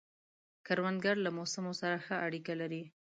کروندګر له موسمو سره ښه اړیکه لري